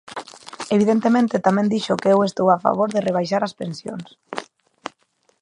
Evidentemente, tamén dixo que eu estou a favor de rebaixar as pensións.